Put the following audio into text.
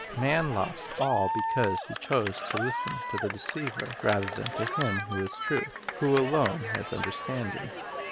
Man lost all because he chose to listen to the deceiver rather than to Him who is Truth, who alone has understanding.